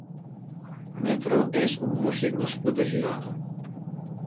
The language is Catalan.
Metro és un músic nascut a Girona.